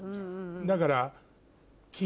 だから。